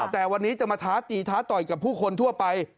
แต่วันนี้จะมาท้าตีท้าต่อยกับผู้คนทั่วไป